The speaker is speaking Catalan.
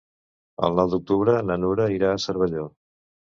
El nou d'octubre na Nura irà a Cervelló.